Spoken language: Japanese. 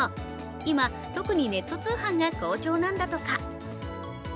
今、特にネット通販が好調なんだとか。